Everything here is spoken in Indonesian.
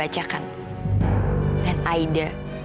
ah tidak sebentar bapak